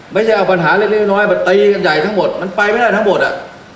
ไม่ใช่เอาปัญหาเล็กน้อยมาตีกันใหญ่ทั้งหมดมันไปไม่ได้ทั้งหมดอ่ะ